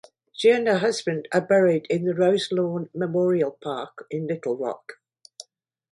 She and her husband are buried in the Roselawn Memorial Park in Little Rock.